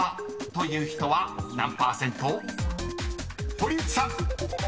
［堀内さん］